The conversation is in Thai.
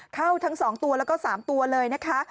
ทั้ง๒ตัวแล้วก็๓ตัวเลยนะคะ